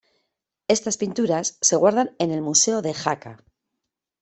Estas pinturas se guardan en el museo de Jaca.